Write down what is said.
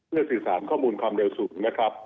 สื่อสารข้อมูลความเร็วสูงนะครับ